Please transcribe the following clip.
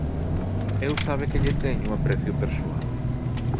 Eu sabe que lle teño aprecio persoal.